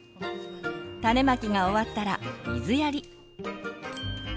種まきが終わったら水やり。